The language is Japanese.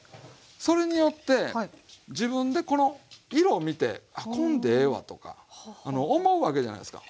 それによって自分でこの色を見てこんでええわとか思うわけじゃないですか。